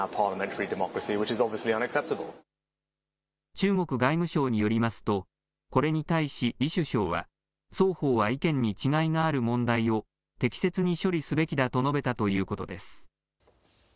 中国外務省によりますとこれに対し李首相は双方は意見に違いがある問題を適切に処理すべきだと述べたということです。